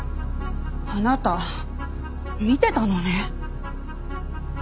あなた見てたのね。